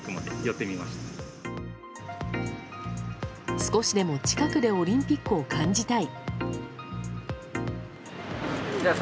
少しでも近くでオリンピックを感じたい。